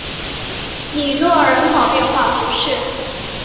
里诺人口变化图示